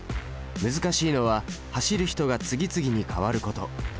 難しいのは走る人が次々に変わること。